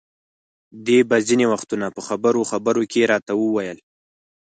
دې به ځینې وختونه په خبرو خبرو کې راته ویل.